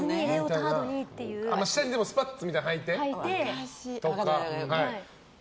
下にスパッツみたいなのをはいてね。